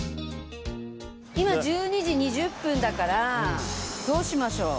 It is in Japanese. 今１２時２０分だからどうしましょう？